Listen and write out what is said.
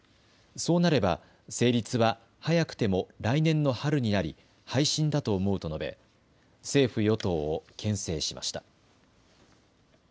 そうなれば成立は早くても来年の春になり背信だと思うと述べ政府与党をけん制しました。